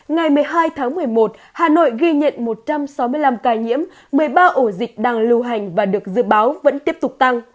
ngày một mươi hai tháng một mươi một hà nội ghi nhận một trăm sáu mươi năm ca nhiễm một mươi ba ổ dịch đang lưu hành và được dự báo vẫn tiếp tục tăng